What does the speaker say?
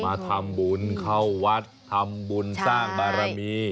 มาทำบุญเข้าวัดทำบุญสร้างบารมี